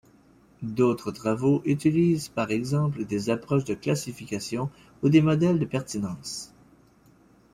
D'autres travaux utilisent par exemple des approches de classification ou des modèles de pertinences.